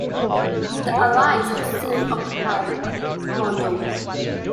The allies soon occupied Brondolo.